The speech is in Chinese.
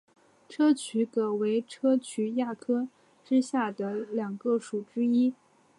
砗磲蛤属为砗磲亚科之下两个属之一。